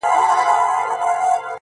رسنۍ موضوع نړيواله کوي,